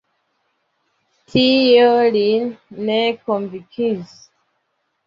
Tio lin ne konvinkis.